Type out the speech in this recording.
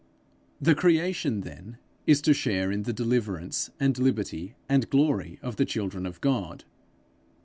The creation then is to share in the deliverance and liberty and glory of the children of God.